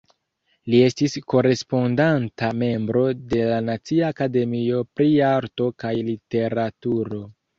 Li estis korespondanta membro de la Nacia Akademio pri Arto kaj Literaturo.